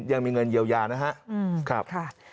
ยังมีเงินเยียวยานะครับ